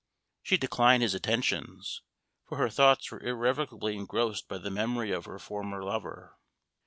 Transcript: She declined his attentions, for her thoughts were irrevocably engrossed by the memory of her former lover.